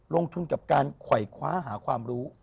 ลงทุนกับการไขว่คว้าหาความรู้